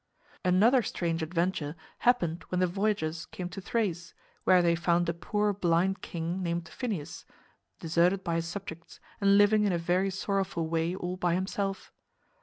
Another strange adventure happened when the voyagers came to Thrace, where they found a poor blind king named Phineus, deserted by his subjects and living in a very sorrowful way all by himself.